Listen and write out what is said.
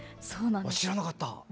知らなかった。